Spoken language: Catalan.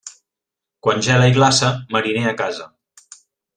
Quan gela i glaça, mariner a casa.